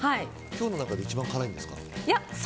今日の中で一番辛いんですか？